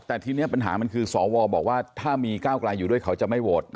แต่ทีนี้ปัญหามันคือสวบอกว่าถ้ามีก้าวไกลอยู่ด้วยเขาจะไม่โหวต